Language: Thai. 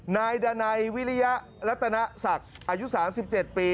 นายดานัยวิริยะรัตนศักดิ์อายุ๓๗ปี